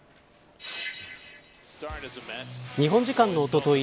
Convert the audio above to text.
日本時間のおととい